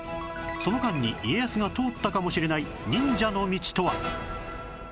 その間に家康が通ったかもしれない忍者の道とは？